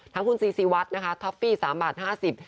ทั้งคุณซีซีวัดนะคะท็อฟฟี่๓บาท๕๐บาท